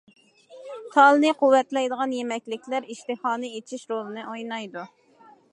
تالنى قۇۋۋەتلەيدىغان يېمەكلىكلەر ئىشتىھانى ئېچىش رولىنى ئوينايدۇ.